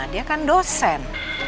dia kan dosen